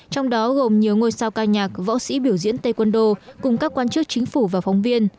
trong đó gồm nhiều ngôi sao ca nhạc võ sĩ biểu diễn taekwondo cùng các quan chức chính phủ và phóng viên